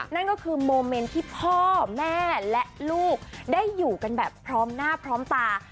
นั่นก็คือโมเมนต์ที่พ่อแม่และลูกได้อยู่กันแบบพร้อมหน้าพร้อมตา